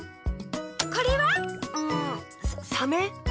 これは？んサメ？